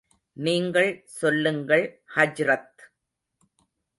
நீங்கள் செல்லுங்கள், ஹஜ்ரத்.